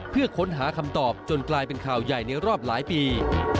เพื่อค้นหาคำตอบจนกลายเป็นข่าวใหญ่ในรอบหลายปี